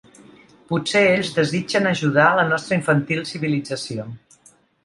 Potser ells desitgen ajudar la nostra infantil civilització.